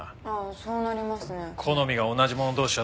そうなりますねはい。